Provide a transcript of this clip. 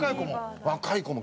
若い子も？